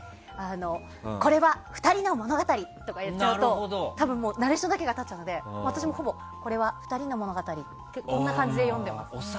これは２人の物語！とかやっちゃうと多分、ナレーションだけが立っちゃうので私もほぼ、これは２人の物語って。